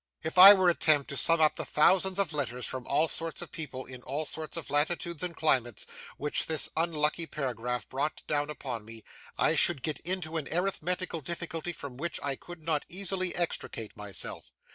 If I were to attempt to sum up the thousands of letters, from all sorts of people in all sorts of latitudes and climates, which this unlucky paragraph brought down upon me, I should get into an arithmetical difficulty from which I could not easily extricate myself.